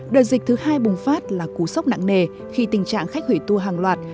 đợt dịch thứ hai bùng phát là cú sốc nặng nề khi tình trạng khách hủy tour hàng loạt